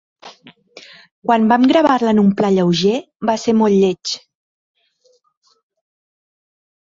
Quan vam gravar-la en un pla lleuger, va ser molt lleig.